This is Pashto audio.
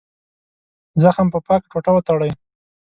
زخم په پاکه ټوټه وتړئ.